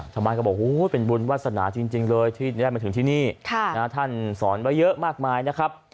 ชาวบ้านก็บอกเป็นบุญวาสนาจริงเลยที่ได้มาถึงที่นี่ท่านสอนไว้เยอะมากมายนะครับ